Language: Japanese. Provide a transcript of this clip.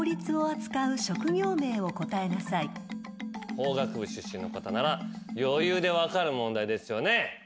法学部出身の方なら余裕で分かる問題ですよね。